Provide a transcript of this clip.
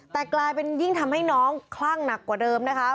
แต่กลายเป็นยิ่งทำให้น้องคลั่งหนักกว่าเดิมนะคะ